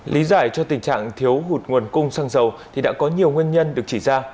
lý giải cho tình trạng thiếu hụt nguồn cung xăng dầu thì đã có nhiều nguyên nhân được chỉ ra